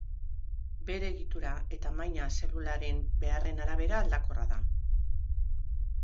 Bere egitura eta tamaina zelularen beharren arabera aldakorra da.